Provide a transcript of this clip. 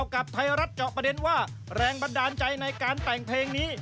กับไทยรัฐเจาะประเด็นว่าแรงบันดาลใจในการแต่งเพลงนี้